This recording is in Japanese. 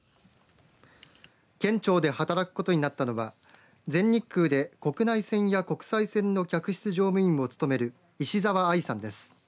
県庁で働くことになったのは全日空で国内線や国際線の客室乗務員を務める石澤藍さんです。